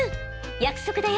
約束だよ。